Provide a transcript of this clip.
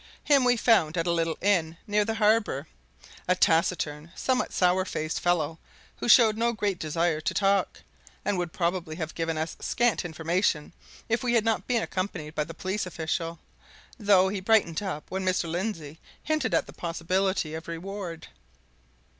Him we found at a little inn, near the harbour a taciturn, somewhat sour faced fellow who showed no great desire to talk, and would probably have given us scant information if we had not been accompanied by the police official, though he brightened up when Mr. Lindsey hinted at the possibility of reward.